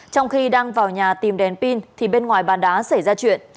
trong khi đang vào nhà tìm đèn pin thì bên ngoài bàn đá xảy ra chuyện